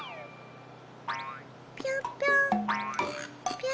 ぴょんぴょん！